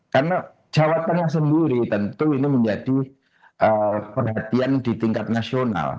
karena jawa tengah sendiri tentu ini menjadi perhatian di tingkat nasional